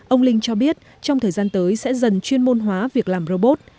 ông linh cho biết trong thời gian tới sẽ dần chuyên môn hóa việc làm robot